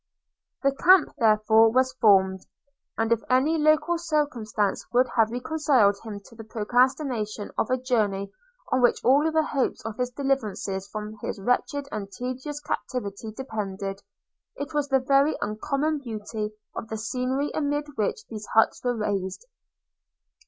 The camp, therefore, was formed; and if any local circumstance could have reconciled him to the procrastination of a journey on which all the hopes of his deliverance from his wretched and tedious captivity depended, it was the very uncommon beauty of the scenery amid which these huts were raised.